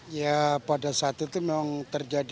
ya pada saat itu memang terjadi